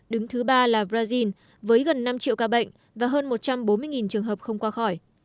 đứng thứ ba là brazil với gần năm triệu ca bệnh và hơn một trăm bốn mươi trường hợp không qua khỏi